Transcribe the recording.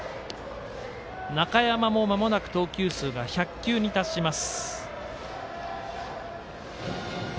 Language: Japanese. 中山もまもなく投球数が１００球に達します。